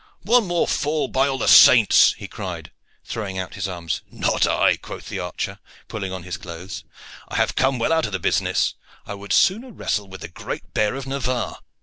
"One more fall, by all the saints!" he cried, throwing out his arms. "Not I," quoth the archer, pulling on his clothes, "I have come well out of the business. I would sooner wrestle with the great bear of Navarre."